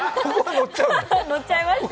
ノッちゃいました。